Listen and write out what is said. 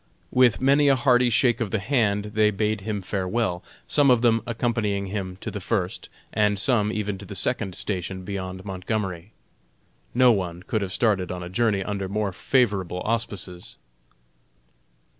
With many a hearty shake of the hand they bade him farewell, some of them accompanying him to the first, and some even to the second station beyond Montgomery. No one could have started on a journey under more favorable auspices.